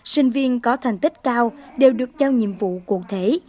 sinh viên có thành tích cao đều được giao nhiệm vụ cụ thể